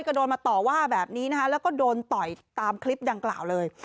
ก็โดนมาต่อว่าแบบนี้นะคะแล้วก็โดนต่อยตามคลิปดังกล่าวเลย